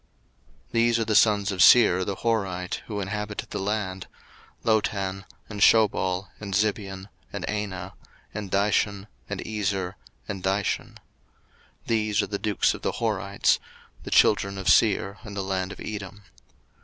01:036:020 These are the sons of Seir the Horite, who inhabited the land; Lotan, and Shobal, and Zibeon, and Anah, 01:036:021 And Dishon, and Ezer, and Dishan: these are the dukes of the Horites, the children of Seir in the land of Edom.